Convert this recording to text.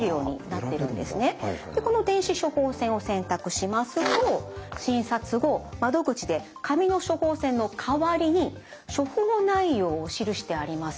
この電子処方箋を選択しますと診察後窓口で紙の処方箋の代わりに処方内容を記してあります